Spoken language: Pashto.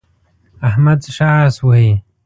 احمد ښه اس وهي.